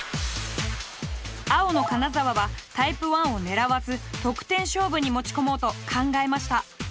青の金沢はタイプ１を狙わず得点勝負に持ち込もうと考えました。